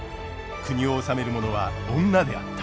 国を治める者は女であった。